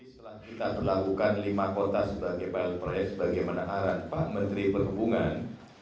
setelah kita melakukan lima kota sebagai pile price bagaimana arah pak menteri perhubungan